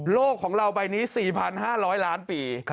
โลกของเราใบนี้๔๕๐๐ล้านปี